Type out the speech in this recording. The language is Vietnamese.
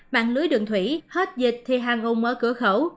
mạng lưới đường thủy hết dịch thì hàng hùng ở cửa khẩu